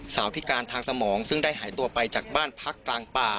พิการทางสมองซึ่งได้หายตัวไปจากบ้านพักกลางป่า